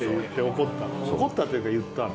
怒ったっていうか言ったの。